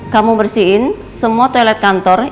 kamu bersihin semua toilet kantor